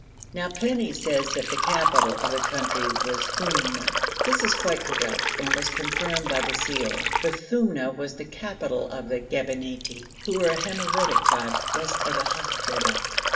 Now Pliny says that the capital of the country was Thumna; this is quite correct and was confirmed by the seal, for Thumna was the capital of the Gebaniti, who were a Himyaritic tribe, west of the Hadhramout.